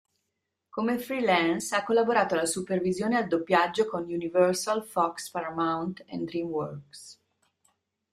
Come freelance, ha collaborato alla supervisione al doppiaggio con Universal, Fox, Paramount e Dreamworks.